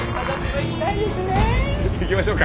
行きましょうか？